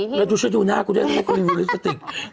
มึงมาดูชวนดูหน้ากูได้เนอะกูรีวิวลิปสติก